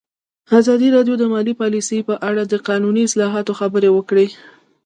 ازادي راډیو د مالي پالیسي په اړه د قانوني اصلاحاتو خبر ورکړی.